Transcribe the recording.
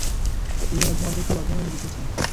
তিনের মধ্যে অর্ধেক তুই, অর্ধেক আমি জিতেছি।